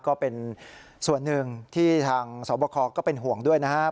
ก็เป็นส่วนหนึ่งที่ทางสวบคก็เป็นห่วงด้วยนะครับ